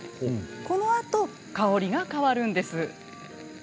このあと、香りが変わるんです。